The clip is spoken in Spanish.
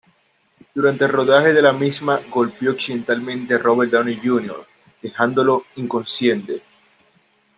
Durante el rodaje de la misma golpeó accidentalmente a Robert Downey Jr., dejándolo inconsciente.